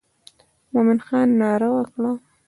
مومن خان ناره وکړه.